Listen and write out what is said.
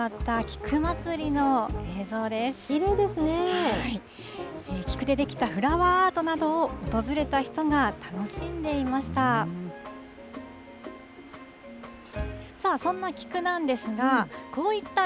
菊で出来たフラワーアートなどを訪れた人が楽しんでいました。